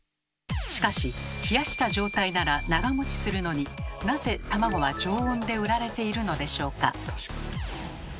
しかし冷やした状態なら長もちするのになぜ卵は常温で売られているのでしょうか？